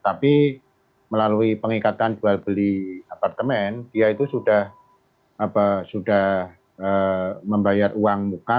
tapi melalui pengikatan jual beli apartemen dia itu sudah membayar uang muka